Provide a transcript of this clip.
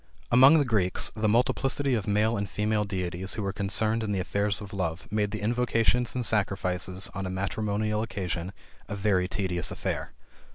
Among the Greeks, the multiplicity of male and female deities who were concerned in the affairs of love, made the invocations and sacrifices on a matrimonial occasion a very tedious affair.